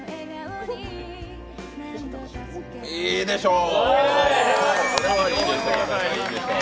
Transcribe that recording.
いいでしょう。